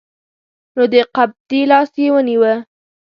نو د قبطي لاس یې ونیوه.